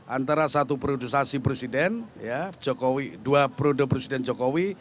antara satu produsasi presiden jokowi dua produsasi presiden jokowi